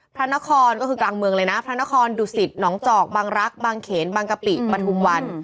พระนครก็คือกลางเมืองเลยนะพระนครดุสิตหนองจอกบังรักษ์บางเขนบางกะปิปฐุมวัน